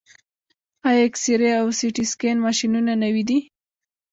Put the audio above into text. آیا اکسرې او سټي سکن ماشینونه نوي دي؟